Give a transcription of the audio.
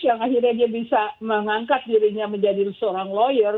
yang akhirnya dia bisa mengangkat dirinya menjadi seorang lawyer